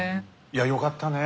いやよかったね